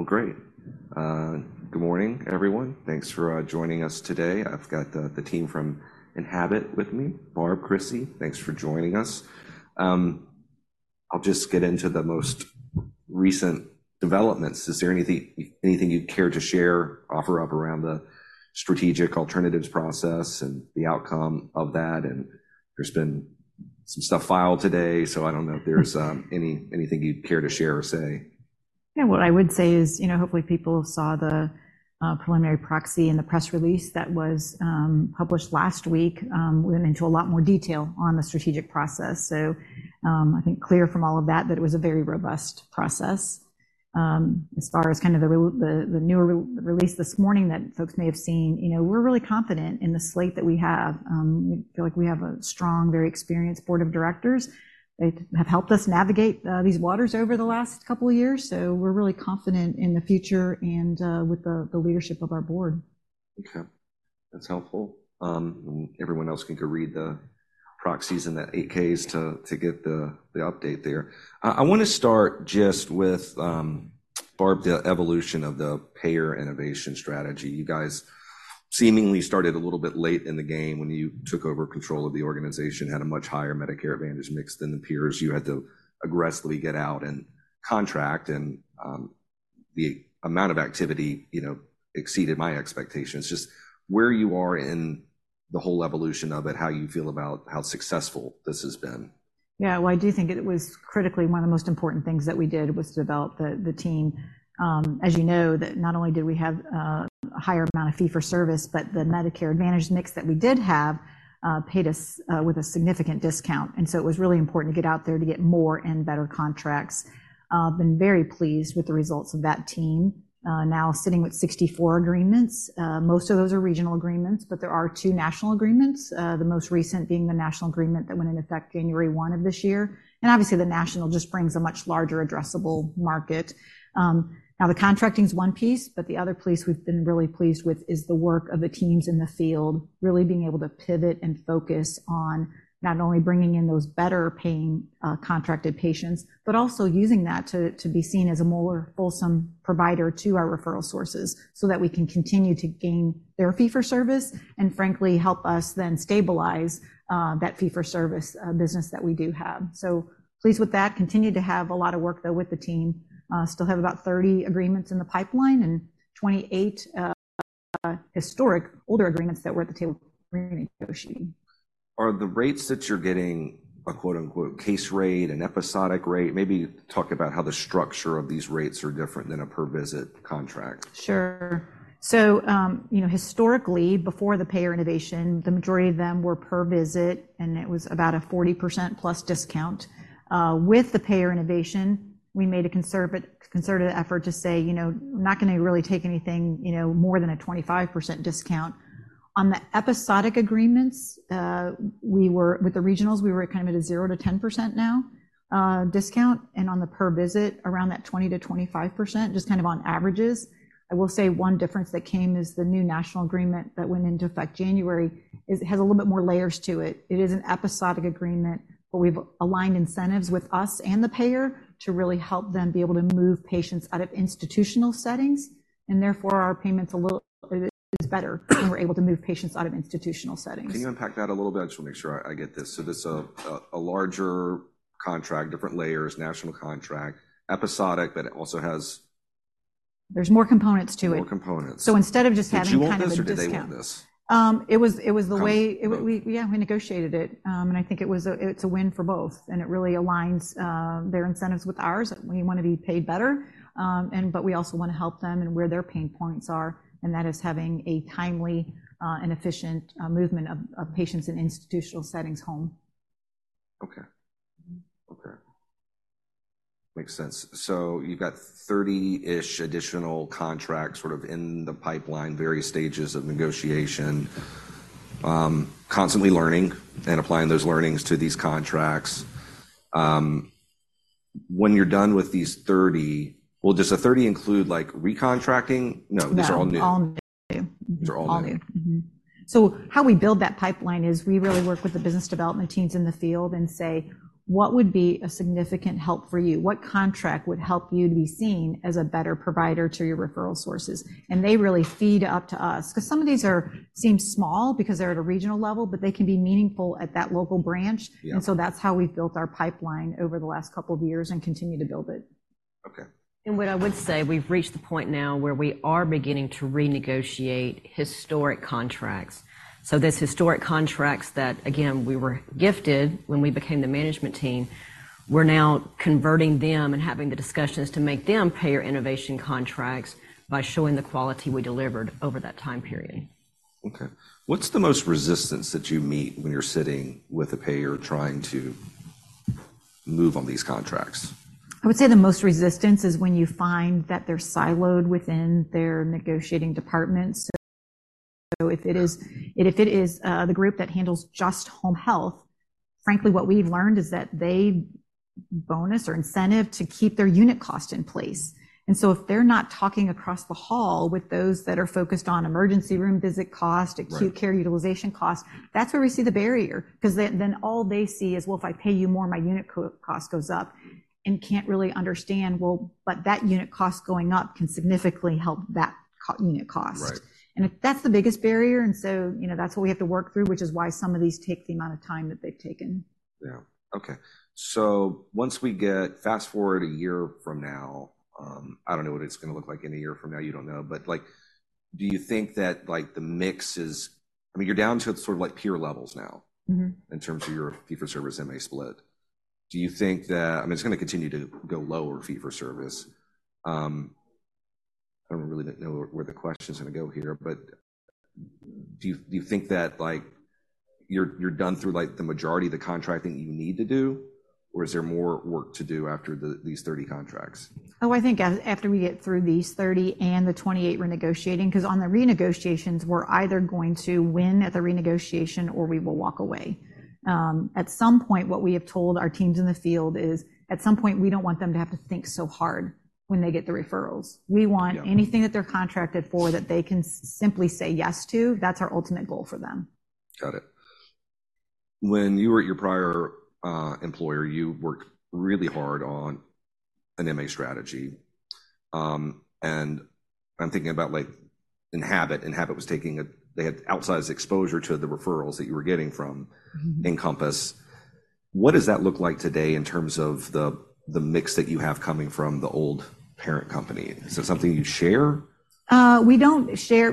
Well, great. Good morning, everyone. Thanks for joining us today. I've got the team from Enhabit with me. Barb, Crissy, thanks for joining us. I'll just get into the most recent developments. Is there anything you'd care to share, offer up around the strategic alternatives process and the outcome of that? And there's been some stuff filed today, so I don't know if there's anything you'd care to share or say. Yeah, what I would say is, you know, hopefully, people saw the preliminary proxy and the press release that was published last week. Went into a lot more detail on the strategic process. So, I think clear from all of that, that it was a very robust process. As far as kind of the newer re-release this morning that folks may have seen, you know, we're really confident in the slate that we have. We feel like we have a strong, very experienced board of directors. They have helped us navigate these waters over the last couple of years, so we're really confident in the future and with the leadership of our board. Okay, that's helpful. And everyone else can go read the proxies and the 8-Ks to get the update there. I wanna start just with Barb, the evolution of the Payer Innovation strategy. You guys seemingly started a little bit late in the game when you took over control of the organization, had a much higher Medicare Advantage mix than the peers. You had to aggressively get out and contract, and the amount of activity, you know, exceeded my expectations. Just where you are in the whole evolution of it, how you feel about how successful this has been? Yeah, well, I do think it was critically one of the most important things that we did, was to develop the team. As you know, that not only did we have a higher amount of fee-for-service, but the Medicare Advantage mix that we did have paid us with a significant discount. And so it was really important to get out there to get more and better contracts. I've been very pleased with the results of that team. Now sitting with 64 agreements, most of those are regional agreements, but there are two national agreements, the most recent being the national agreement that went into effect January 1 of this year. And obviously, the national just brings a much larger addressable market. Now the contracting is one piece, but the other piece we've been really pleased with is the work of the teams in the field, really being able to pivot and focus on not only bringing in those better-paying, contracted patients, but also using that to, to be seen as a more wholesome provider to our referral sources so that we can continue to gain their fee-for-service, and frankly, help us then stabilize, that fee-for-service, business that we do have. So pleased with that. Continue to have a lot of work, though, with the team. Still have about 30 agreements in the pipeline and 28 historic, older agreements that we're at the table renegotiating. Are the rates that you're getting a, quote-unquote, "case rate, an episodic rate?" Maybe talk about how the structure of these rates are different than a per-visit contract. Sure. So, you know, historically, before the Payer Innovation, the majority of them were per visit, and it was about a 40% plus discount. With the Payer Innovation, we made a conservative, conservative effort to say, "You know, we're not gonna really take anything, you know, more than a 25% discount." On the episodic agreements, with the regionals, we were kind of at a 0%-10% now, discount, and on the per visit, around that 20%-25%, just kind of on averages. I will say one difference that came is the new national agreement that went into effect January, is it has a little bit more layers to it. It is an episodic agreement, but we've aligned incentives with us and the payer to really help them be able to move patients out of institutional settings, and therefore, our payment's a little better, and we're able to move patients out of institutional settings. Can you unpack that a little bit? Just make sure I get this. So this a larger contract, different layers, national contract, episodic, but it also has- There's more components to it. More components. So instead of just having- Did you want this, or did they want this? It was the way- Both. Yeah, we negotiated it. And I think it was. It's a win for both, and it really aligns their incentives with ours. We wanna be paid better, and but we also wanna help them and where their pain points are, and that is having a timely and efficient movement of patients in institutional settings home. Okay. Okay. Makes sense. So you've got 30-ish additional contracts sort of in the pipeline, various stages of negotiation. Constantly learning and applying those learnings to these contracts. When you're done with these 30... Well, does the 30 include, like, recontracting? No- No. These are all new. All new. These are all new. All new. Mm-hmm. So how we build that pipeline is we really work with the business development teams in the field and say: "What would be a significant help for you? What contract would help you to be seen as a better provider to your referral sources?" And they really feed up to us because some of these are, seem small because they're at a regional level, but they can be meaningful at that local branch. Yeah. That's how we've built our pipeline over the last couple of years and continue to build it. Okay. What I would say, we've reached the point now where we are beginning to renegotiate historic contracts. These historic contracts that, again, we were gifted when we became the management team, we're now converting them and having the discussions to make them Payer Innovation contracts by showing the quality we delivered over that time period. Okay. What's the most resistance that you meet when you're sitting with a payer trying to move on these contracts? I would say the most resistance is when you find that they're siloed within their negotiating departments. So if it is- Yeah... if it is the group that handles just home health, frankly, what we've learned is that they bonus or incentive to keep their unit cost in place. And so if they're not talking across the hall with those that are focused on emergency room visit cost- Right Acute care utilization cost, that's where we see the barrier. 'Cause then all they see is, well, if I pay you more, my unit cost goes up, and can't really understand, well, but that unit cost going up can significantly help that unit cost. Right. If that's the biggest barrier, and so, you know, that's what we have to work through, which is why some of these take the amount of time that they've taken. Yeah. Okay. So once we get fast-forward a year from now, I don't know what it's gonna look like in a year from now, you don't know, but, like, do you think that, like, the mix is... I mean, you're down to sort of like peer levels now- Mm-hmm... in terms of your fee-for-service MA split. Do you think that, I mean, it's gonna continue to go lower, fee-for-service. I don't really know where the question's gonna go here, but do you, do you think that, like, you're, you're done through, like, the majority of the contracting that you need to do? Or is there more work to do after these 30 contracts? Oh, I think as after we get through these 30 and the 28 we're negotiating, 'cause on the renegotiations, we're either going to win at the renegotiation or we will walk away. At some point, what we have told our teams in the field is, at some point, we don't want them to have to think so hard when they get the referrals. Yeah. We want anything that they're contracted for, that they can simply say yes to, that's our ultimate goal for them. Got it. When you were at your prior employer, you worked really hard on an MA strategy. I'm thinking about, like, Enhabit was taking a—they had outsized exposure to the referrals that you were getting from- Mm-hmm Encompass. What does that look like today in terms of the mix that you have coming from the old parent company? Is it something you share? We don't share,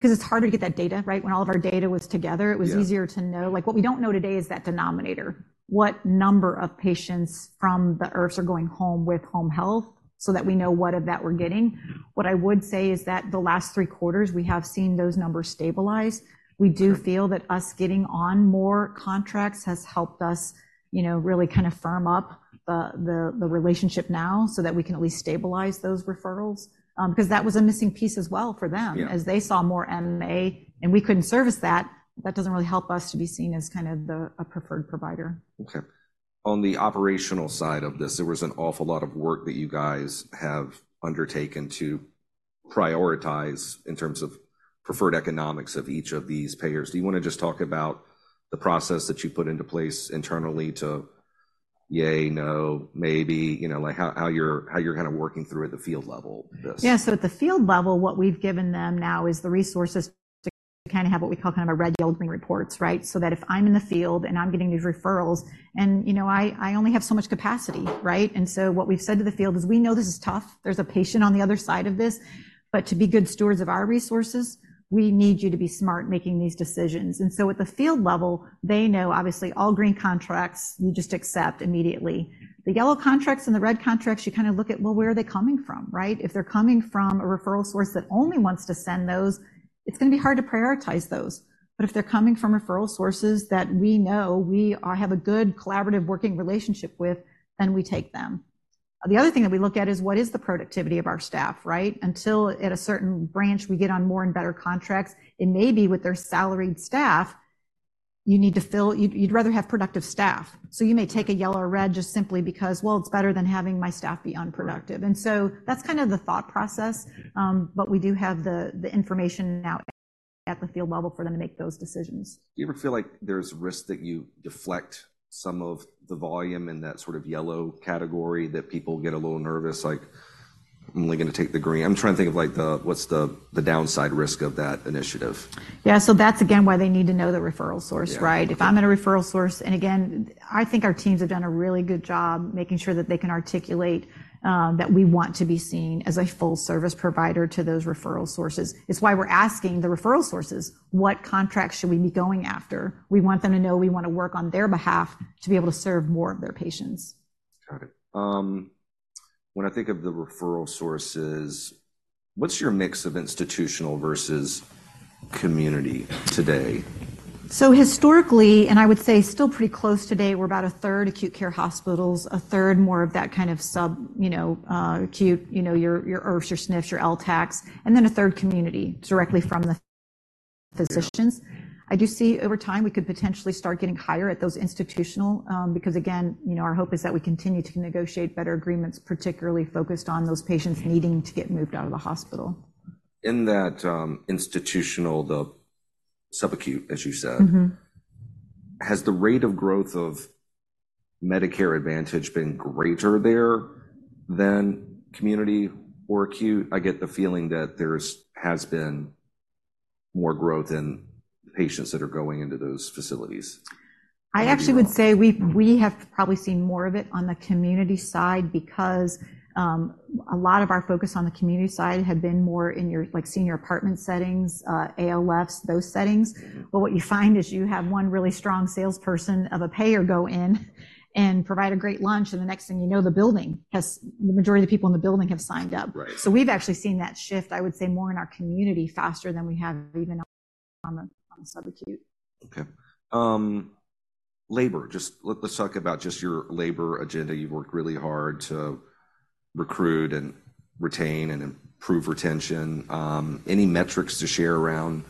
'cause it's harder to get that data, right? When all of our data was together- Yeah... it was easier to know. Like, what we don't know today is that denominator, what number of patients from the IRFs are going home with home health so that we know what of that we're getting. What I would say is that the last three quarters, we have seen those numbers stabilize. Sure. We do feel that us getting on more contracts has helped us, you know, really kind of firm up the relationship now so that we can at least stabilize those referrals. Because that was a missing piece as well for them- Yeah... as they saw more MA, and we couldn't service that, that doesn't really help us to be seen as kind of the, a preferred provider. Okay. On the operational side of this, there was an awful lot of work that you guys have undertaken to prioritize in terms of preferred economics of each of these payers. Do you wanna just talk about the process that you put into place internally to, you know, like, how you're kind of working through at the field level this? Yeah. So at the field level, what we've given them now is the resources to kinda have what we call kind of a red, yellow, green reports, right? So that if I'm in the field, and I'm getting these referrals, and, you know, I only have so much capacity, right? And so what we've said to the field is: We know this is tough. There's a patient on the other side of this, but to be good stewards of our resources, we need you to be smart making these decisions. And so at the field level, they know, obviously, all green contracts, you just accept immediately. The yellow contracts and the red contracts, you kinda look at, well, where are they coming from, right? If they're coming from a referral source that only wants to send those, it's gonna be hard to prioritize those. But if they're coming from referral sources that we know we have a good collaborative working relationship with, then we take them. The other thing that we look at is, what is the productivity of our staff, right? Until at a certain branch, we get on more and better contracts, it may be with their salaried staff, you'd rather have productive staff. So you may take a yellow or red just simply because, well, it's better than having my staff be unproductive. Right. And so that's kind of the thought process. Mm. But we do have the information now at the field level for them to make those decisions. Do you ever feel like there's risk that you deflect some of the volume in that sort of yellow category, that people get a little nervous, like, I'm only gonna take the green? I'm trying to think of, like, what's the downside risk of that initiative. Yeah, so that's again why they need to know the referral source, right? Yeah. If I'm in a referral source, and again, I think our teams have done a really good job making sure that they can articulate that we want to be seen as a full-service provider to those referral sources. It's why we're asking the referral sources: What contracts should we be going after? We want them to know we wanna work on their behalf to be able to serve more of their patients. Got it. When I think of the referral sources, what's your mix of institutional versus community today? So historically, and I would say still pretty close today, we're about a third acute care hospitals, a third more of that kind of sub, you know, acute, you know, your, your IRFs, your SNFs, your LTACs, and then a third community, directly from the physicians. Yeah. I do see over time, we could potentially start getting higher at those institutional, because again, you know, our hope is that we continue to negotiate better agreements, particularly focused on those patients needing to get moved out of the hospital. In that, institutional, the subacute, as you said- Mm-hmm... has the rate of growth of Medicare Advantage been greater there than community or acute? I get the feeling that there has been more growth in patients that are going into those facilities. I actually would say we have probably seen more of it on the community side because a lot of our focus on the community side had been more in your, like, senior apartment settings, ALFs, those settings. Mm-hmm. What you find is you have one really strong salesperson of a payer go in and provide a great lunch, and the next thing you know, the majority of people in the building have signed up. Right. We've actually seen that shift, I would say, more in our community faster than we have even on the subacute. Okay. Labor, just let's talk about just your labor agenda. You've worked really hard to recruit and retain and improve retention. Any metrics to share around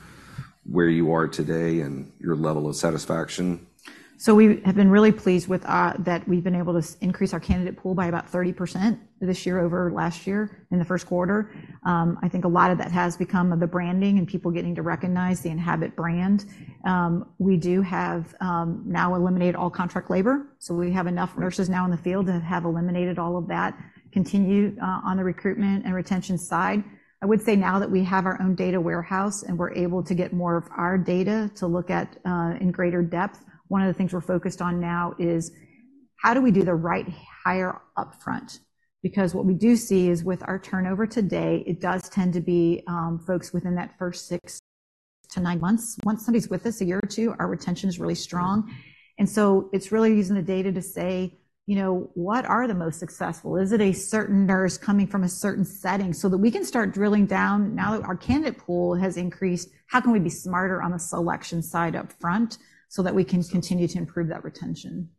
where you are today and your level of satisfaction? We have been really pleased with that we've been able to increase our candidate pool by about 30% this year over last year in the first quarter. I think a lot of that has become of the branding and people getting to recognize the Enhabit brand. We do have now eliminated all contract labor, so we have enough nurses now in the field to have eliminated all of that. Continue on the recruitment and retention side, I would say now that we have our own data warehouse, and we're able to get more of our data to look at in greater depth, one of the things we're focused on now is: how do we do the right hire upfront? Because what we do see is with our turnover today, it does tend to be folks within that first six to nine months. Once somebody's with us a year or two, our retention is really strong. And so it's really using the data to say, you know, what are the most successful? Is it a certain nurse coming from a certain setting? So that we can start drilling down, now that our candidate pool has increased, how can we be smarter on the selection side up front, so that we can continue to improve that retention.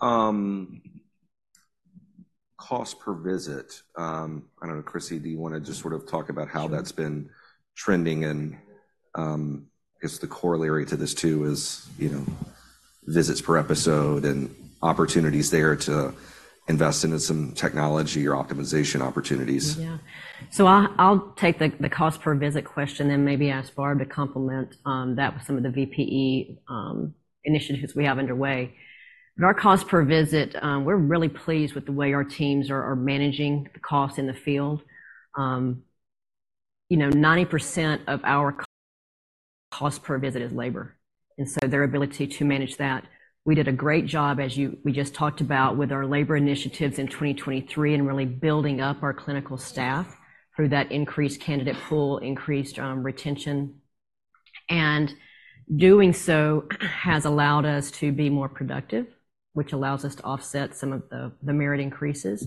Okay. Cost per visit. I don't know, Crissy, do you want to just sort of talk about how that's been trending? And, I guess the corollary to this, too, is, you know, visits per episode and opportunities there to invest into some technology or optimization opportunities. Yeah. So I'll take the cost per visit question, then maybe ask Barb to complement that with some of the VPE initiatives we have underway. But our cost per visit, we're really pleased with the way our teams are managing the cost in the field. You know, 90% of our cost per visit is labor, and so their ability to manage that. We did a great job, as we just talked about, with our labor initiatives in 2023 and really building up our clinical staff through that increased candidate pool, increased retention. And doing so has allowed us to be more productive, which allows us to offset some of the merit increases.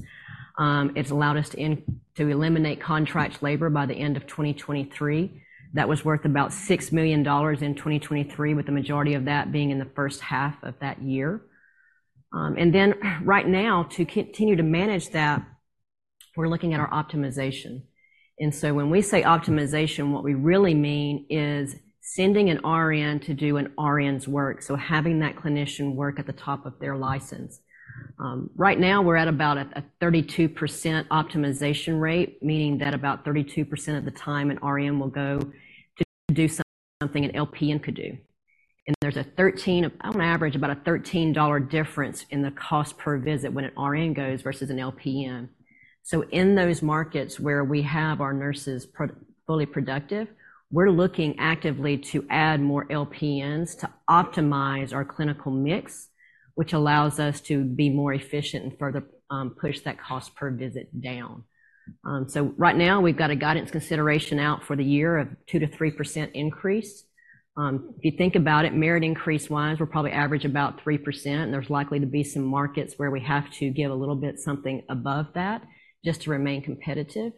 It's allowed us to eliminate contract labor by the end of 2023. That was worth about $6 million in 2023, with the majority of that being in the first half of that year. And then right now, to continue to manage that, we're looking at our optimization. And so when we say optimization, what we really mean is sending an RN to do an RN's work. So having that clinician work at the top of their license. Right now, we're at about a 32% optimization rate, meaning that about 32% of the time, an RN will go to do something an LPN could do. On average, about a $13 difference in the cost per visit when an RN goes versus an LPN. So in those markets where we have our nurses fully productive, we're looking actively to add more LPNs to optimize our clinical mix, which allows us to be more efficient and further push that cost per visit down. So right now, we've got a guidance consideration out for the year of 2%-3% increase. If you think about it, merit increase-wise, we're probably average about 3%, and there's likely to be some markets where we have to give a little bit something above that just to remain competitive.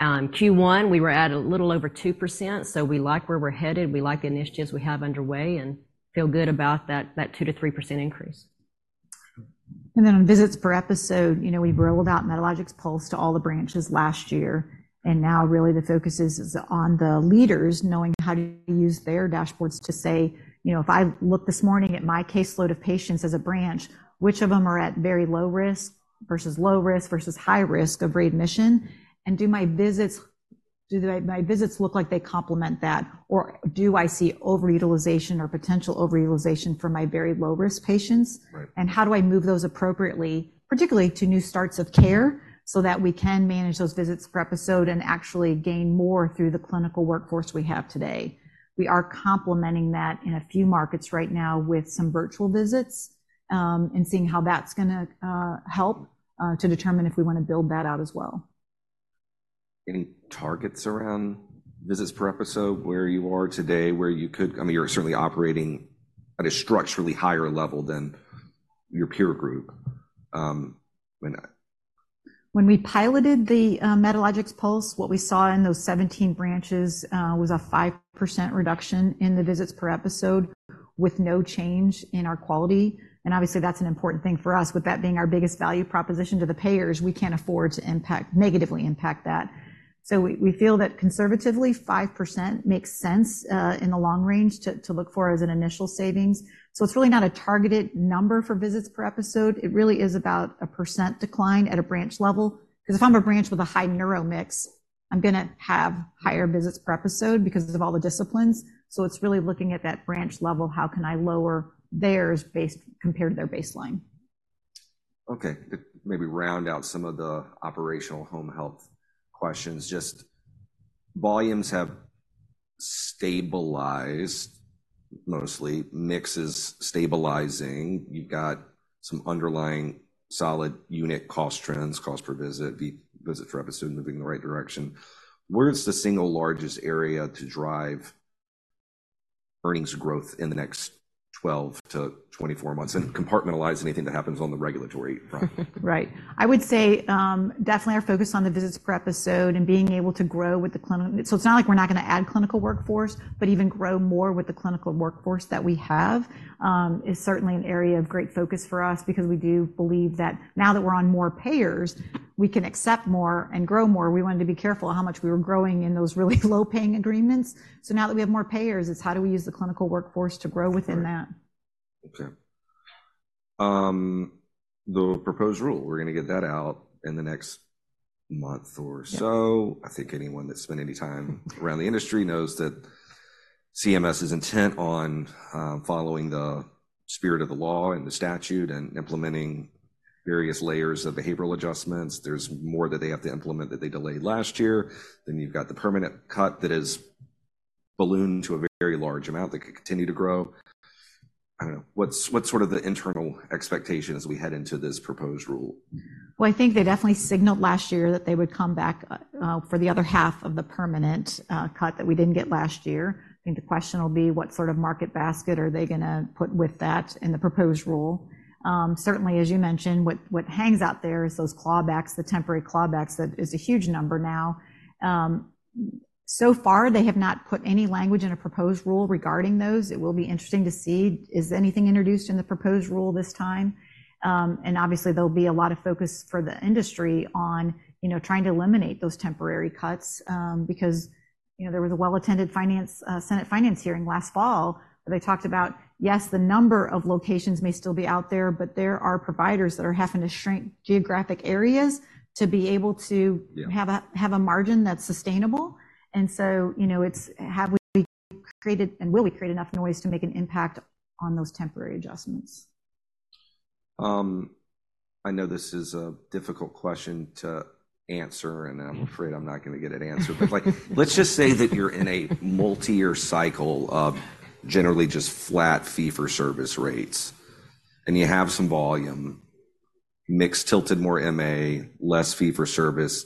Q1, we were at a little over 2%, so we like where we're headed. We like the initiatives we have underway and feel good about that 2%-3% increase. And then on visits per episode, you know, we rolled out Medalogix Pulse to all the branches last year, and now really the focus is on the leaders knowing how to use their dashboards to say, "You know, if I look this morning at my caseload of patients as a branch, which of them are at very low risk versus low risk versus high risk of readmission? And do my visits look like they complement that, or do I see overutilization or potential overutilization for my very low-risk patients? Right. And how do I move those appropriately, particularly to new starts of care, so that we can manage those visits per episode and actually gain more through the clinical workforce we have today?" We are complementing that in a few markets right now with some virtual visits, and seeing how that's gonna help to determine if we want to build that out as well. Any targets around visits per episode, where you are today, where you could... I mean, you're certainly operating at a structurally higher level than your peer group, When we piloted the Medalogix Pulse, what we saw in those 17 branches was a 5% reduction in the visits per episode with no change in our quality. And obviously, that's an important thing for us. With that being our biggest value proposition to the payers, we can't afford to impact, negatively impact that. So we feel that conservatively, 5% makes sense in the long range to look for as an initial savings. So it's really not a targeted number for visits per episode. It really is about a 1% decline at a branch level. Because if I'm a branch with a high neuro mix, I'm gonna have higher visits per episode because of all the disciplines. So it's really looking at that branch level, how can I lower theirs based compared to their baseline? Okay. To maybe round out some of the operational home health questions, just volumes have stabilized, mostly. Mix is stabilizing. You've got some underlying solid unit cost trends, cost per visit, visit per episode, moving in the right direction. Where is the single largest area to drive earnings growth in the next 12-24 months, and compartmentalize anything that happens on the regulatory front. Right. I would say, definitely our focus on the visits per episode and being able to grow with the clinical. So it's not like we're not gonna add clinical workforce, but even grow more with the clinical workforce that we have, is certainly an area of great focus for us because we do believe that now that we're on more payers, we can accept more and grow more. We wanted to be careful how much we were growing in those really low-paying agreements. So now that we have more payers, it's how do we use the clinical workforce to grow within that? Sure. Okay. The proposed rule, we're gonna get that out in the next month or so. Yeah. I think anyone that's spent any time around the industry knows that CMS is intent on following the spirit of the law and the statute, and implementing various layers of behavioral adjustments. There's more that they have to implement that they delayed last year. Then you've got the permanent cut that has ballooned to a very large amount, that could continue to grow. I don't know. What's sort of the internal expectation as we head into this proposed rule? Well, I think they definitely signaled last year that they would come back for the other half of the permanent cut that we didn't get last year. I think the question will be: What sort of market basket are they gonna put with that in the proposed rule? Certainly, as you mentioned, what hangs out there is those clawbacks, the temporary clawbacks, that is a huge number now. So far, they have not put any language in a proposed rule regarding those. It will be interesting to see, is anything introduced in the proposed rule this time? And obviously, there'll be a lot of focus for the industry on, you know, trying to eliminate those temporary cuts, because, you know, there was a well-attended Finance, Senate Finance hearing last fall, where they talked about, yes, the number of locations may still be out there, but there are providers that are having to shrink geographic areas to be able to- Yeah... have a margin that's sustainable. And so, you know, it's have we created, and will we create enough noise to make an impact on those temporary adjustments? I know this is a difficult question to answer, and I'm afraid I'm not gonna get it answered. But, like, let's just say that you're in a multi-year cycle of generally just flat fee-for-service rates, and you have some volume, mix tilted more MA, less fee-for-service.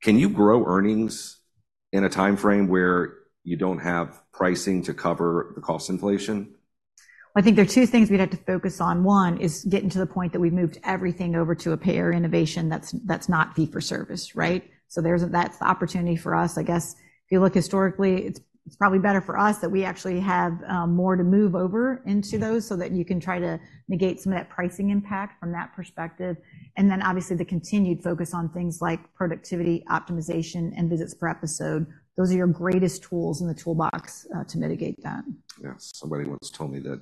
Can you grow earnings in a timeframe where you don't have pricing to cover the cost inflation? I think there are two things we'd have to focus on. One is getting to the point that we've moved everything over to a Payer Innovation that's, that's not fee for service, right? So that's the opportunity for us. I guess, if you look historically, it's, it's probably better for us that we actually have more to move over into those- Mm-hmm... so that you can try to negate some of that pricing impact from that perspective. And then, obviously, the continued focus on things like productivity, optimization, and visits per episode. Those are your greatest tools in the toolbox, to mitigate that. Yeah. Somebody once told me that,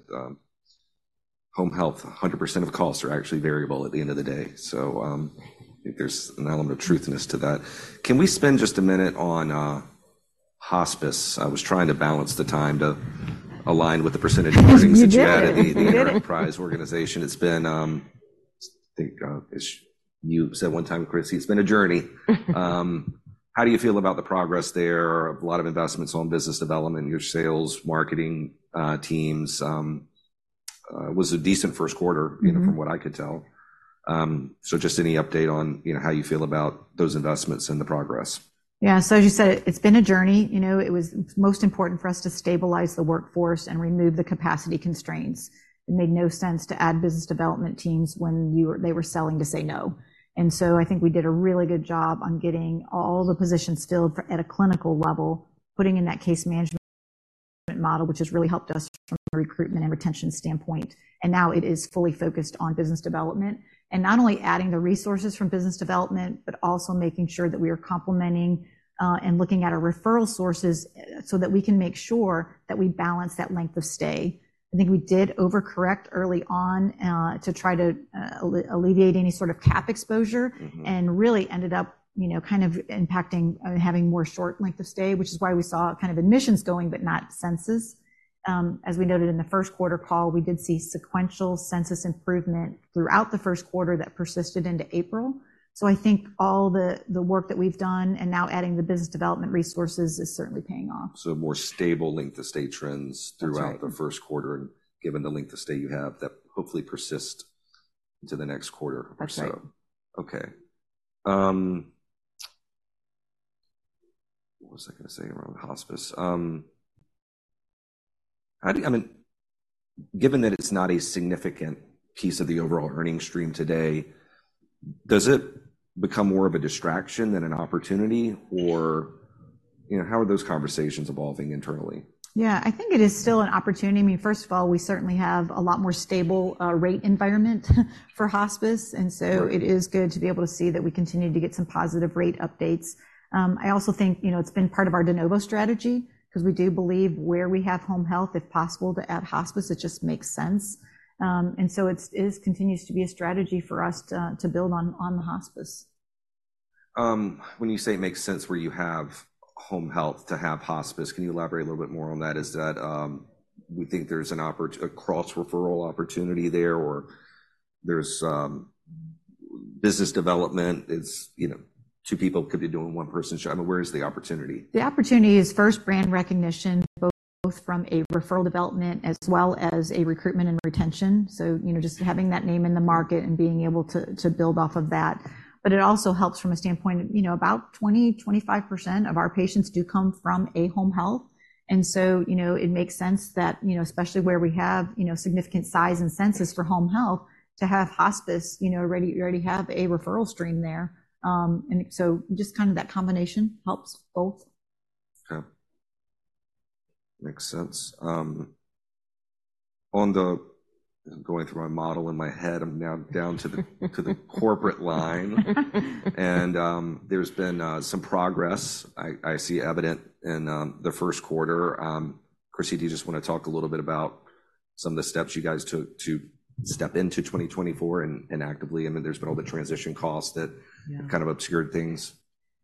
home health, 100% of costs are actually variable at the end of the day. So, I think there's an element of truthiness to that. Can we spend just a minute on, hospice? I was trying to balance the time to align with the percentage earnings- You did it! that you had in the enterprise organization. It's been, I think, it's-- you said one time, Crissy, "It's been a journey." How do you feel about the progress there? A lot of investments on business development, your sales, marketing, teams. It was a decent first quarter- Mm-hmm... from what I could tell. So just any update on, you know, how you feel about those investments and the progress? Yeah. So as you said, it's been a journey. You know, it was most important for us to stabilize the workforce and remove the capacity constraints. It made no sense to add business development teams when you were they were selling to say no. And so I think we did a really good job on getting all the positions filled for, at a clinical level, putting in that case management model, which has really helped us from a recruitment and retention standpoint. And now it is fully focused on business development, and not only adding the resources from business development, but also making sure that we are complementing and looking at our referral sources so that we can make sure that we balance that length of stay. I think we did overcorrect early on to try to alleviate any sort of cap exposure. Mm-hmm... and really ended up, you know, kind of impacting and having more short length of stay, which is why we saw kind of admissions going, but not census. As we noted in the first quarter call, we did see sequential census improvement throughout the first quarter that persisted into April. So I think all the work that we've done, and now adding the business development resources, is certainly paying off. More stable length of stay trends- That's right... throughout the first quarter, and given the length of stay you have, that hopefully persist into the next quarter or so. That's right. Okay. What was I gonna say around hospice? How do you, I mean, given that it's not a significant piece of the overall earnings stream today, does it become more of a distraction than an opportunity, or, you know, how are those conversations evolving internally? Yeah, I think it is still an opportunity. I mean, first of all, we certainly have a lot more stable, rate environment for hospice. Right. And so it is good to be able to see that we continue to get some positive rate updates. I also think, you know, it's been part of our de novo strategy, because we do believe where we have home health, if possible, to add hospice, it just makes sense. And so it continues to be a strategy for us to build on the hospice. When you say it makes sense where you have home health to have hospice, can you elaborate a little bit more on that? Is that we think there's an opportunity? A cross-referral opportunity there, or there's business development is, you know, two people could be doing one person's job. I mean, where is the opportunity? The opportunity is first brand recognition, both, both from a referral development as well as a recruitment and retention. So, you know, just having that name in the market and being able to, to build off of that. But it also helps from a standpoint of, you know, about 20-25% of our patients do come from a home health. And so, you know, it makes sense that, you know, especially where we have, you know, significant size and census for home health, to have hospice, you know, already, you already have a referral stream there. And so just kind of that combination helps both. Okay. Makes sense. On the... Going through my model in my head, I'm now down to the corporate line. There's been some progress I see evident in the first quarter. Crissy, do you just want to talk a little bit about some of the steps you guys took to step into 2024 and actively? I mean, there's been all the transition costs that- Yeah. kind of obscured things.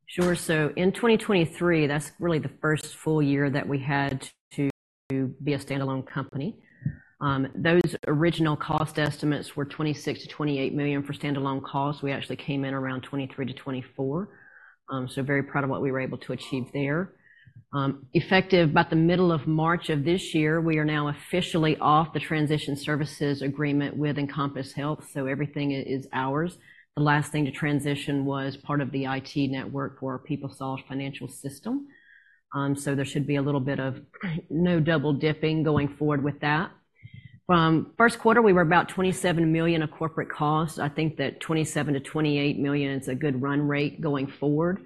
Sure. So in 2023, that's really the first full-year that we had to be a standalone company. Those original cost estimates were $26-$28 million for standalone costs. We actually came in around $23-$24 million. So very proud of what we were able to achieve there. Effective about the middle of March of this year, we are now officially off the transition services agreement with Encompass Health, so everything is ours. The last thing to transition was part of the IT network for our PeopleSoft financial system. So there should be a little bit of no double-dipping going forward with that. First quarter, we were about $27 million of corporate costs. I think that $27-$28 million is a good run rate going forward.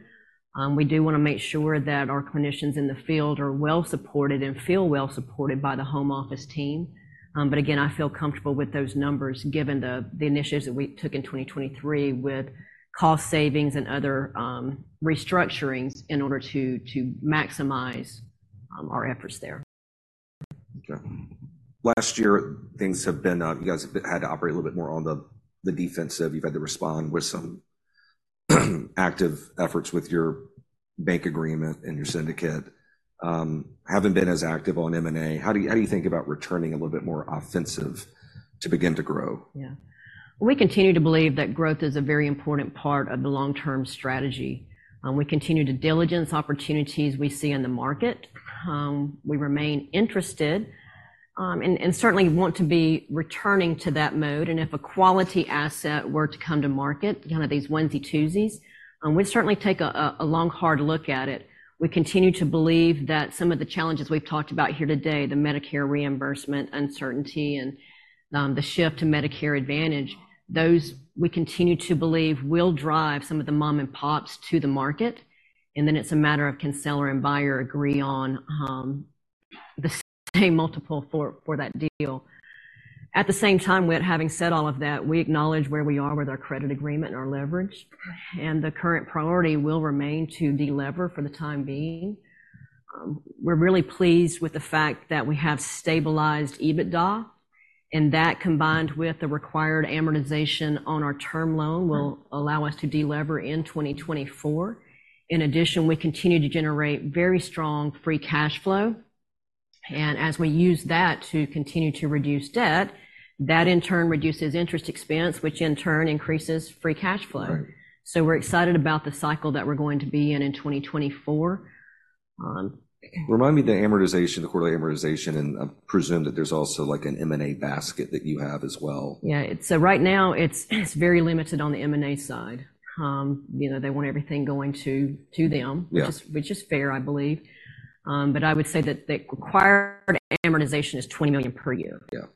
We do wanna make sure that our clinicians in the field are well supported and feel well supported by the home office team. But again, I feel comfortable with those numbers, given the initiatives that we took in 2023 with cost savings and other restructurings in order to maximize our efforts there. Okay. Last year, things have been, you guys have had to operate a little bit more on the defensive. You've had to respond with some active efforts with your bank agreement and your syndicate. Haven't been as active on M&A. How do you think about returning a little bit more offensive to begin to grow? Yeah. We continue to believe that growth is a very important part of the long-term strategy. We continue to diligence opportunities we see in the market. We remain interested, and certainly want to be returning to that mode, and if a quality asset were to come to market, kind of these onesie twosies, we'd certainly take a long, hard look at it. We continue to believe that some of the challenges we've talked about here today, the Medicare reimbursement, uncertainty, and the shift to Medicare Advantage, those, we continue to believe, will drive some of the mom-and-pops to the market, and then it's a matter of can seller and buyer agree on the same multiple for that deal. At the same time, we are having said all of that, we acknowledge where we are with our credit agreement and our leverage, and the current priority will remain to de-lever for the time being. We're really pleased with the fact that we have stabilized EBITDA, and that, combined with the required amortization on our term loan, will allow us to de-lever in 2024. In addition, we continue to generate very strong free cash flow, and as we use that to continue to reduce debt, that in turn reduces interest expense, which in turn increases free cash flow. Right. So we're excited about the cycle that we're going to be in in 2024. Remind me, the amortization, the quarterly amortization, and I presume that there's also, like, an M&A basket that you have as well. Yeah. So right now, it's, it's very limited on the M&A side. You know, they want everything going to, to them- Yeah... which is, which is fair, I believe. But I would say that the required amortization is $20 million per year. Yeah.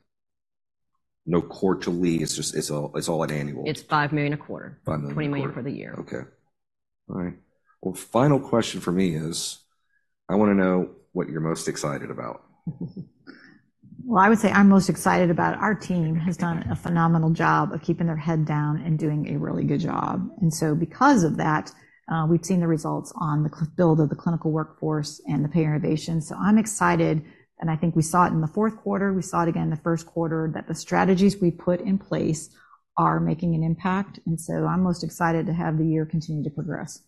No, quarterly, it's just, it's all, it's all at annual. It's $5 million a quarter. $5 million a quarter. $20 million for the year. Okay. All right. Well, final question for me is, I wanna know what you're most excited about? Well, I would say I'm most excited about our team has done a phenomenal job of keeping their head down and doing a really good job. And so because of that, we've seen the results on the build of the clinical workforce and the Payer Innovation. So I'm excited, and I think we saw it in the fourth quarter, we saw it again in the first quarter, that the strategies we put in place are making an impact. And so I'm most excited to have the year continue to progress.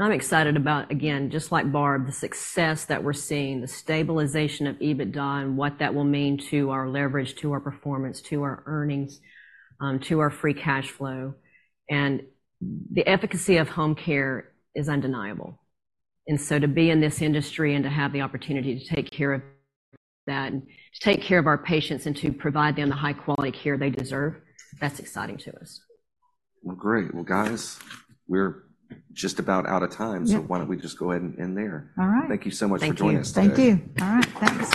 I'm excited about, again, just like Barb, the success that we're seeing, the stabilization of EBITDA and what that will mean to our leverage, to our performance, to our earnings, to our free cash flow. The efficacy of home care is undeniable. So to be in this industry and to have the opportunity to take care of that, and to take care of our patients, and to provide them the high-quality care they deserve, that's exciting to us. Well, great. Well, guys, we're just about out of time. Yeah. Why don't we just go ahead and end there? All right. Thank you so much for joining us today. Thank you. Thank you. All right, thank you so much.